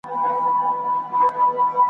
چي آزاد وطن ته ستون سم زما لحد پر کندهار کې `